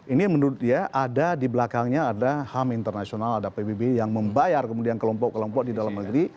ini menurut dia ada di belakangnya ada ham internasional ada pbb yang membayar kemudian kelompok kelompok di dalam negeri